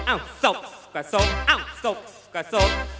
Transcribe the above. อ้าวสบก็สบอ้าวสบก็สบ